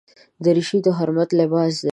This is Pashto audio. دریشي د حرمت لباس دی.